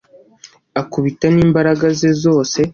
Akubita nimbaraga ze zose